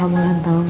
selamat ulang tahun